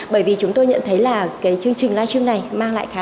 bởi vì chúng tôi nhận thấy là cái chương trình livestream này mang lại khá là